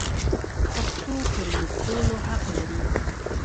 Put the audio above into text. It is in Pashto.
پښتو پر موږ ټولو حق لري.